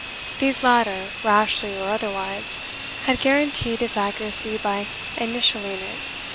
These latter, rashly or otherwise, had guaranteed its accuracy by initialing it.